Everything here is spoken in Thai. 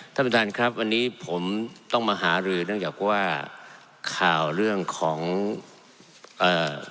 ท่านประธานครับวันนี้ผมต้องมาหารือเนื่องจากว่าข่าวเรื่องของเอ่อ